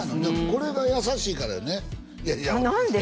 これが優しいからやね何で？